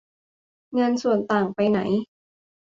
เงินส่วนต่างไปไหน